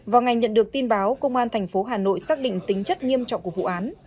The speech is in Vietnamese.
vào ngày nhận được tin báo công an thành phố hà nội xác định tính chất nghiêm trọng của vụ án